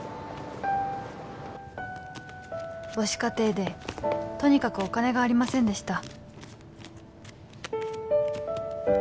母子家庭でとにかくお金がありませんでした